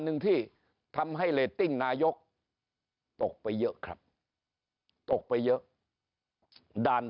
หนึ่งที่ทำให้เรตติ้งนายกตกไปเยอะครับตกไปเยอะด่าน